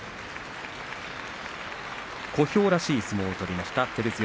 小兵らしい相撲を取りました照強。